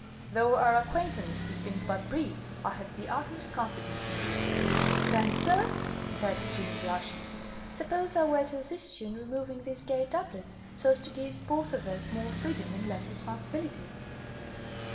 Though our acquaintance has been but brief, I have the utmost confidence in you." "Then, sir," said Jeanne, blushing, "suppose I were to assist you in removing this gay doublet, so as to give both of us more freedom and less responsibility?"